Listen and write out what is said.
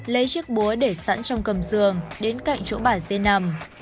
lấy chiếc búa để sẵn trong cầm giường đến cạnh chỗ bản dê nằm